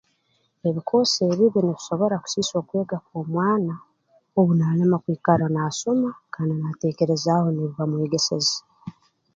Ebikoosi ebibi nibisobora kusiisa okwega kw'omwana obu naalema kwikara naasoma kandi naateekerezaaho n'ebi bamwegeseze